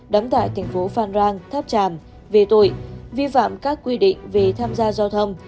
đóng tại thành phố phan rang tháp tràm về tội vi phạm các quy định về tham gia giao thông